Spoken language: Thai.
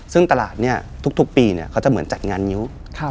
ซึ่งตลาดทุกปีเขาจะเหมือนจัดงานงิ้ว